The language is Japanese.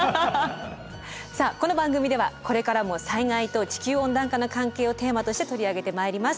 さあこの番組ではこれからも災害と地球温暖化の関係をテーマとして取り上げてまいります。